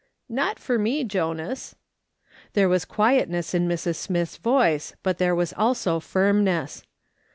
" Not for me, Jonas." There was quietness in Mrs. Smith's voice, but there was also firmness.